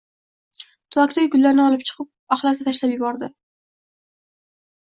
Tuvakdagi gullarni olib chiqib oxlatga tashlab yubordi.